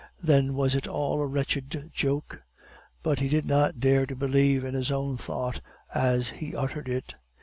Then was it all a wretched joke?" But he did not dare to believe in his own thought as he uttered it.